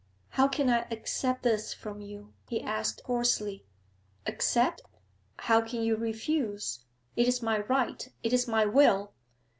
'How can I accept this from you?' he asked hoarsely. 'Accept? How can you refuse? It is my right, it is my will!